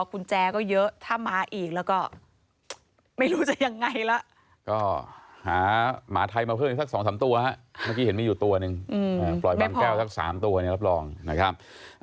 ปล่อยบำแก้วทั้ง๓ตัวอันนี้รับรองนะครับ